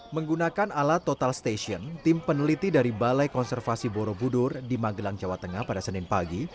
menggunakan alat total station tim peneliti dari balai konservasi borobudur di magelang jawa tengah pada senin pagi